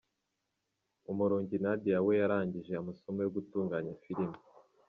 Umurungi Nadia we yarangije amasomo yo gutunganya filime.